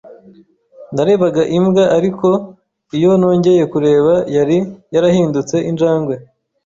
Narebaga imbwa. Ariko, iyo nongeye kureba, yari yarahindutse injangwe.